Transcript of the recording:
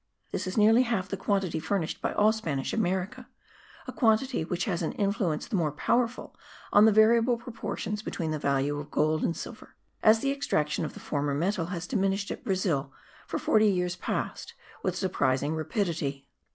This is nearly half the quantity furnished by all Spanish America, a quantity which has an influence the more powerful on the variable proportions between the value of gold and silver, as the extraction of the former metal has diminished at Brazil, for forty years past, with surprising rapidity.